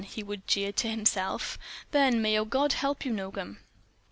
he would jeer to himself. "Then—may your God help you, Nogam!"